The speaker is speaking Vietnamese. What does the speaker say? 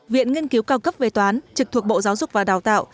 viện nghiên cứu cao cấp về toán trực thuộc bộ giáo dục và đào tạo